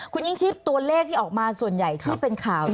คุณยิ่งชีพตัวเลขที่ออกมาส่วนใหญ่ที่เป็นข่าว